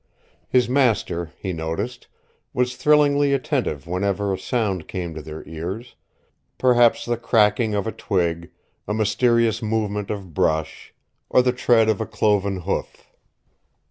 His master, he noticed, was thrillingly attentive whenever a sound came to their ears perhaps the cracking of a twig, a mysterious movement of brush, or the tread of a cloven hoof.